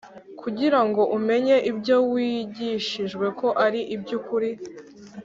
kugira ngo umenye ibyo wigishijwe ko ari iby ukuri